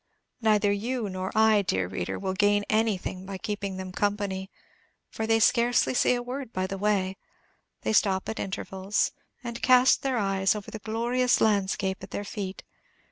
Neither you nor I, dear reader, will gain anything by keeping them company, for they say scarcely a word by the way. They stop at intervals, and cast their eyes over the glorious landscape at their feet.